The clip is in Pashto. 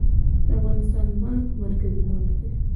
د افغانستان بانک مرکزي بانک دی